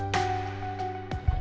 mas surya tergaz sekali